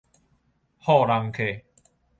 戽人客